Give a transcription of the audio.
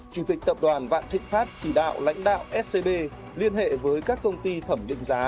chủ tịch tập đoàn vạn thịnh pháp chỉ đạo lãnh đạo scb liên hệ với các công ty thẩm định giá